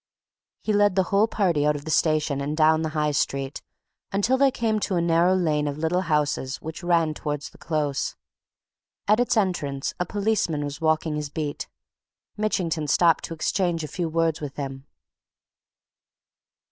He led the whole party out of the station and down the High Street until they came to a narrow lane of little houses which ran towards the Close. At its entrance a policeman was walking his beat. Mitchington stopped to exchange a few words with him.